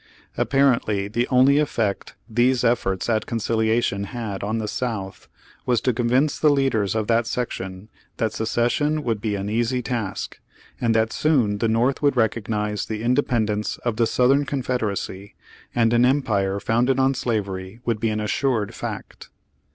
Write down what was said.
Apparently the only effect these efforts at conciliation had on the South, was to convince the leaders of that section, that secession would be an easy task, and that soon the North would recog nize the independence of the Southern Confed eracy, and an empire founded on slavery would be an assured fact.